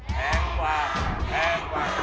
แพงกว่าแพงกว่า